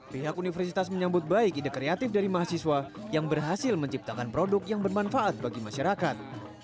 pihak universitas menyambut baik ide kreatif dari mahasiswa yang berhasil menciptakan produk yang bermanfaat bagi masyarakat